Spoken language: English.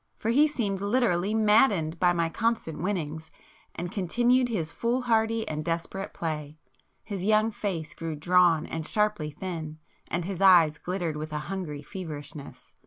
For he seemed literally maddened by my constant winnings, and continued his foolhardy and desperate play,—his young face grew drawn and sharply thin, and his eyes glittered with a hungry feverishness.